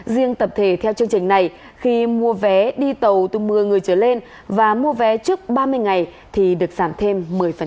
riêng tập thể theo chương trình này khi mua vé đi tàu từ một mươi người trở lên và mua vé trước ba mươi ngày thì được giảm thêm một mươi